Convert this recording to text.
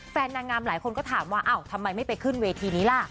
นางงามหลายคนก็ถามว่าอ้าวทำไมไม่ไปขึ้นเวทีนี้ล่ะ